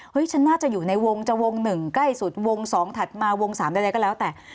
ฉันน่าจะอยู่ในวงจะวง๑ใกล้สุดวง๒ถัดมาวง๓ใดก็แล้วแต่